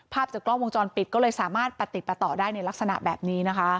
จากกล้องวงจรปิดก็เลยสามารถประติดประต่อได้ในลักษณะแบบนี้นะคะ